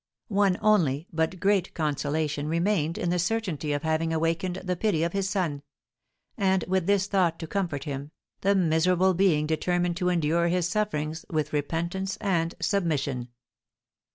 One only, but great, consolation remained in the certainty of having awakened the pity of his son; and, with this thought to comfort him, the miserable being determined to endure his sufferings with repentance and submission.